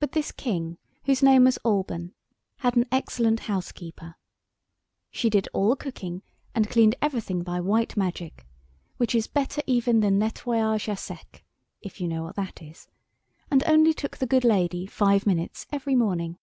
But this king, whose name was Alban, had an excellent housekeeper. She did all the cooking and cleaned everything by white magic, which is better even than nettoyage à sec (if you know what that is), and only took the good lady five minutes every morning.